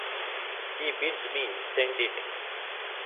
He bids me send it.